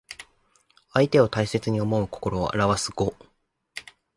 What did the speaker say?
相手を大切に思う心をあらわす語。